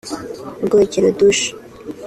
ubwogero (douche